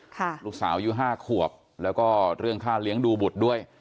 ลูกสาวอายุห้าขวบแล้วก็เรื่องค่าเลี้ยงดูบุตรด้วย